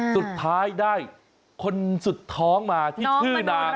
สุดท้ายได้คนสุดท้องมาที่ชื่อนาง